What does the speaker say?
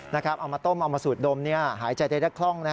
เอามาต้มเอามาสูดดมหายใจได้คล่อง